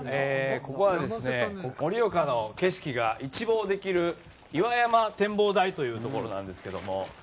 ここはですね、盛岡の景色が一望できる岩山展望台というところなんですけども。